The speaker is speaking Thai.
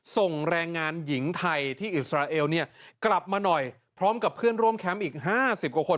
ส่งแรงงานหญิงไทยที่อิสราเอลเนี่ยกลับมาหน่อยพร้อมกับเพื่อนร่วมแคมป์อีก๕๐กว่าคน